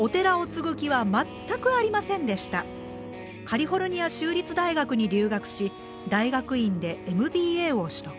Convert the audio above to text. カリフォルニア州立大学に留学し大学院でＭＢＡを取得。